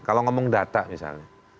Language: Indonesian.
kalau ngomong data misalnya